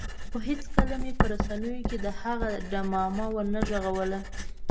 خو هېڅکله مې په رسنیو کې د هغه ډمامه ونه غږوله.